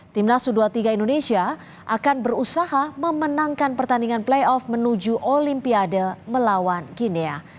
timnas u dua puluh tiga indonesia akan berusaha memenangkan pertandingan playoff menuju olimpiade melawan kinea